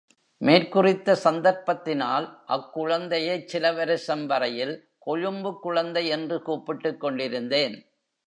மேற்குறித்த சந்தர்ப்பத்தினால், அக்குழந்தையைச் சில வருஷம் வரையில் கொழும்பு குழந்தை என்று கூப்பிட்டுக்கொண்டிருந்தேன்.